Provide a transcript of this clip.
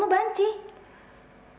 begitulah yang kami dengar